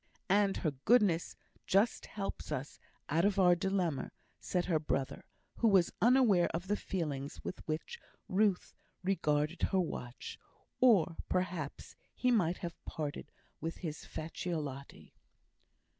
"And her goodness just helps us out of our dilemma," said her brother, who was unaware of the feelings with which Ruth regarded her watch, or, perhaps, he might have parted with his Facciolati.